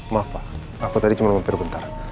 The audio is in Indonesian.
maaf pak aku tadi cuma mampir bentar